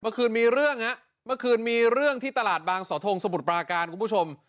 เมื่อคืนมีเรื่องฮะเมื่อคืนมีเรื่องที่ตลาดบางสอทงสมุทรปราการคุณผู้ชม